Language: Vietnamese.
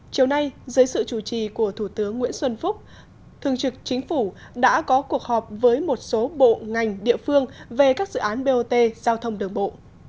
chiều nay dưới sự chủ trì của thủ tướng nguyễn xuân phúc thường trực chính phủ đã có cuộc họp với một số bộ ngành địa phương về các dự án bot giao thông đường bộ